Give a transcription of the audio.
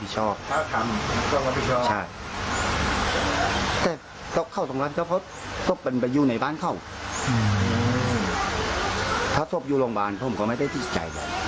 เออฟังส่วนคุณพ่อค่ะ